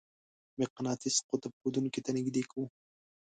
مقناطیس قطب ښودونکې ته نژدې کوو.